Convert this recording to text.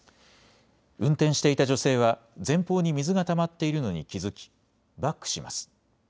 運転していた女性は前方に水がたまっているのに気付き、バックします。